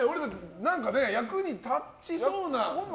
何か役に立ちそうな。